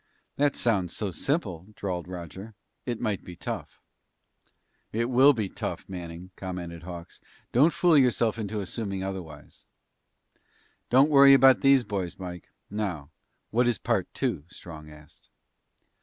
"That sounds so simple," drawled Roger, "it might be tough." "It will be tough, Manning," commented Hawks. "Don't fool yourself into assuming otherwise." "Don't worry about these boys, Mike. Now, what is part two?" Strong asked.